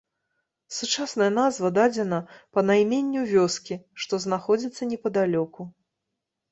Сучасная назва дадзена па найменню вёскі, што знаходзіцца непадалёку.